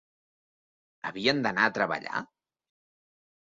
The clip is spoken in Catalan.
Havien d’anar a treballar?